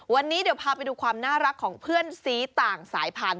วันนี้เดี๋ยวพาไปดูความน่ารักของเพื่อนสีต่างสายพันธุ